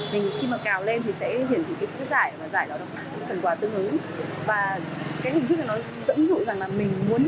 mình khi mà cào lên thì sẽ hiển thị cái giải và giải đó là một phần quà tương ứng